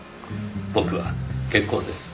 僕は結構です。